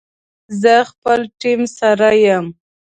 زه خپل ټیم سره یم